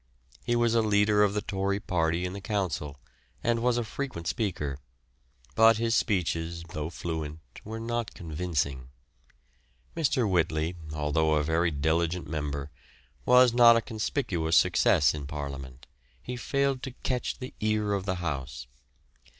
He was the leader of the Tory party in the Council, and was a frequent speaker, but his speeches, though fluent, were not convincing. Mr. Whitley, although a very diligent member, was not a conspicuous success in Parliament; he failed to catch the ear of the House.